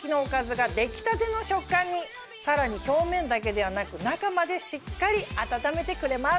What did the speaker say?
さらに表面だけではなく中までしっかり温めてくれます。